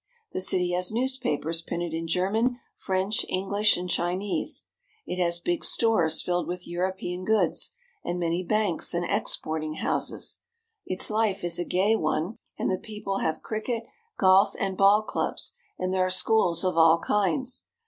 The city has newspapers printed in German, French, English, and Chinese. It has big stores filled with European goods, FOREIGN COLONIES IN CHINA 1/9 and many banks and exporting houses. Its life is a gay one, and the people have cricket, golf, and ball clubs, and there are schools of all kinds.